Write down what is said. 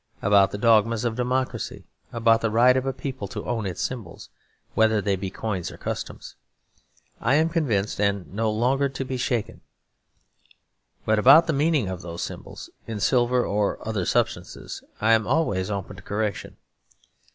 About the dogmas of democracy, about the right of a people to its own symbols, whether they be coins or customs, I am convinced, and no longer to be shaken. But about the meaning of those symbols, in silver or other substances, I am always open to correction.